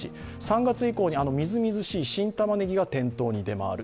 ３月以降にみずみずしい新たまねぎが店頭に出回る。